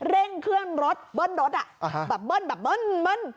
เร่งเครื่องรถเบิ้นรถแบบเบิ้น